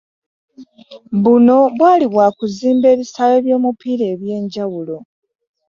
Buno bwali bwa kuzimba ebisaawe by'omupiira eby'enjawulo